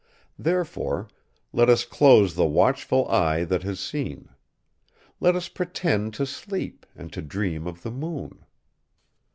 Therefore, let us close the watchful eye that has seen. Let us pretend to sleep and to dream of the moon....